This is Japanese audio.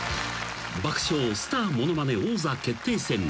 スターものまね王座決定戦』にて］